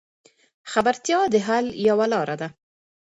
خبرتیا د حل یوه لار ده.